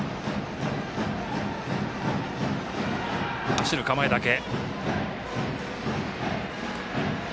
走る構えだけ。